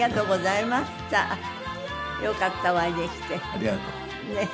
ありがとう。ねえ。